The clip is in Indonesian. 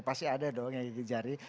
pasti ada dong yang gigi jari